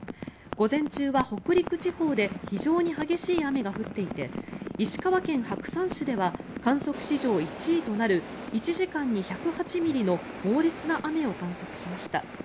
午前中は北陸地方で非常に激しい雨が降っていて石川県白山市では観測史上１位となる１時間に１０８ミリの猛烈な雨を観測しました。